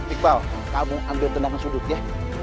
iqbal kamu ambil tendangan sudut ya